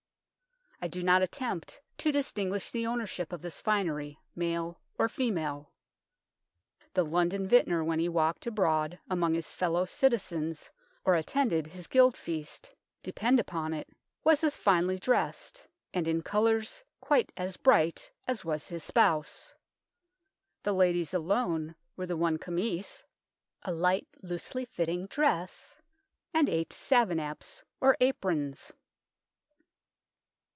I do not attempt to distinguish the ownership of this finery, male or female. The London vintner, when he walked abroad among his fellow citizens or attended his gild feast, depend upon it was as finely dressed, and in colours quite as bright, as was his spouse. The lady's alone were the one camise (a light, loosely fitting dress) and eight savenapes, or aprons.